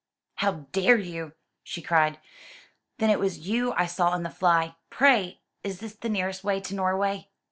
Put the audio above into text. "How dare you?" she cried. "Then it was you I saw in the fly? Pray, is this the nearest way to Norway?"